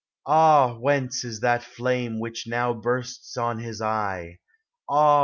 Ah ! whence is that flame which now bursts on his eye? Ah !